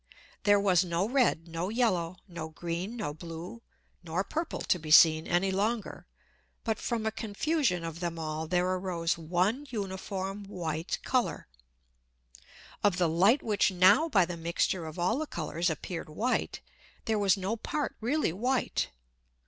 There was no red, no yellow, no green, no blue, nor purple to be seen any longer, but from a Confusion of them all there arose one uniform white Colour. Of the Light which now by the Mixture of all the Colours appeared white, there was no Part really white.